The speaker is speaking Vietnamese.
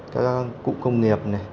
các cụm công nghiệp